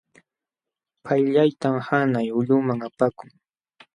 Payllaytam hanay ulquman apakun.